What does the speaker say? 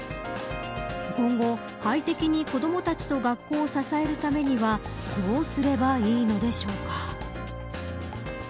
今後快適に子どもたちと学校を支えるためにはどうすればいいのでしょうか。